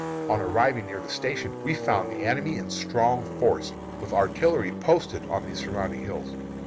On arriving near the Station we found the enemy in strong force, with artillery posted on the surrounding hills.